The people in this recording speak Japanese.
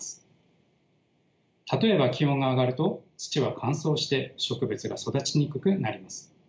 例えば気温が上がると土は乾燥して植物が育ちにくくなります。